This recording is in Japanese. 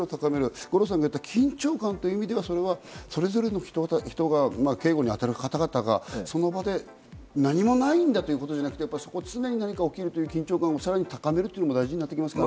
五郎さんが言った緊張感という意味では、それぞれの人が警護に当たる方々がその場で何もないんだということじゃなくて、常に何か起きるという緊張感をさらに高めることが大事になりますか？